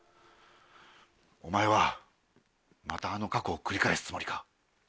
お前はまたあの過去を繰り返すつもりか？